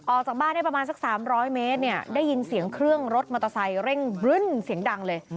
ออกจากบ้านได้ประมาณสัก๓๐๐เมตรเนี่ยได้ยินเสียงเครื่องรถมอเตอร์ไซค์เร่งบรึ้นเสียงดังเลย